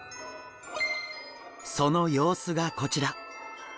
その様子がこちら。